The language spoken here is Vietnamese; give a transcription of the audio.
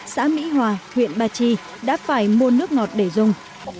xã mỹ hòa huyện ba chi đã phải mua nước ngọt để dùng